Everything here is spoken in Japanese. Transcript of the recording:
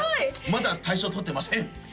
まだ大賞取ってません